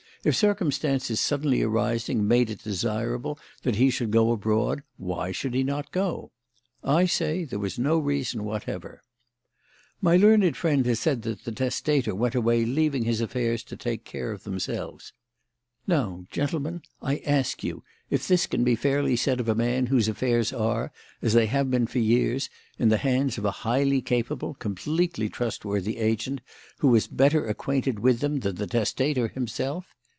If circumstances suddenly arising made it desirable that he should go abroad, why should he not go? I say there was no reason whatever. "My learned friend has said that the testator went away leaving his affairs to take care of themselves. Now, gentlemen, I ask you if this can fairly be said of a man whose affairs are, as they have been for years, in the hands of a highly capable, completely trustworthy agent who is better acquainted with them than the testator himself?